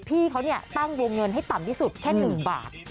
พี่เขาตั้งวงเงินให้ต่ำที่สุดแค่๑บาท